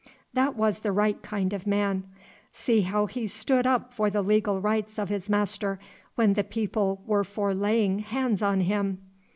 That was the right kind of man. See how he stood up for the legal rights of his Master, when the people were for laying hands on him!